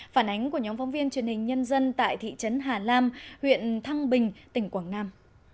phản ánh của nhóm phóng viên truyền hình nhân dân tại thị trấn hà lam huyện thăng bình tỉnh quảng nam